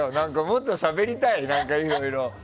もっとしゃべりたいよ、いろいろ。